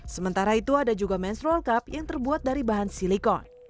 sementara itu ada juga menstroll cup yang terbuat dari bahan silikon